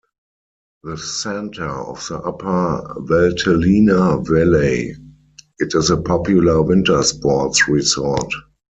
The centre of the upper Valtellina valley, it is a popular winter sports resort.